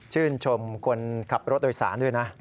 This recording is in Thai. ชื่นชมคนขับรถโดยสารด้วยนะ